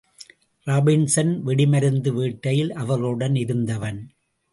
Robinson வெடிமருந்து வேட்டையில் அவர்களுடன் இருந்தவன்.